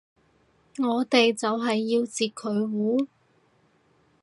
我哋就係要截佢糊